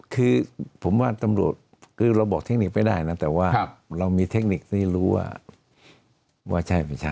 คือผมว่าตำรวจคือเราบอกเทคนิคไม่ได้นะแต่ว่าเรามีเทคนิคที่รู้ว่าว่าใช่ไม่ใช่